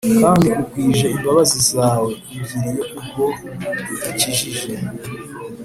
kandi ugwije imbabazi zawe ungiriye ubwo ukijije